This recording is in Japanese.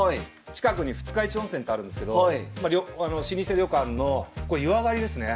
近くに二日市温泉ってあるんですけど老舗旅館のこれ湯上がりですね。